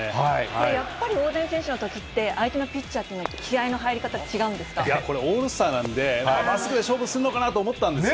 これ、やっぱり大谷選手のときって、相手のピッチャーというのは、気合いの入り方、違うんでいや、これ、オールスターなんで、まっすぐで勝負するのかなと思うんです。